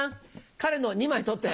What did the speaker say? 彼の２枚取って。